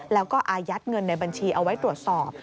แล้วก็อายัดเงินในบัญชีเอาไว้ตรวจสอบ